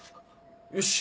よし！